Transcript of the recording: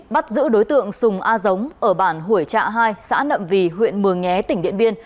bắt giữ đối tượng sùng a giống ở bản hủy trạ hai xã nậm vy huyện mường nhé tỉnh điện biên